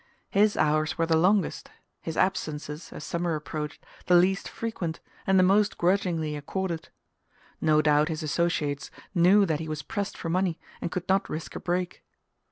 His hours were the longest, his absences, as summer approached, the least frequent and the most grudgingly accorded. No doubt his associates knew that he was pressed for money and could not risk a break.